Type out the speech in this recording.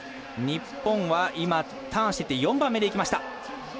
日本はターンして４番目でいきました。